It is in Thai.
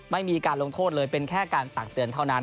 ไม่มีการลงโทษเลยเป็นแค่การตักเตือนเท่านั้น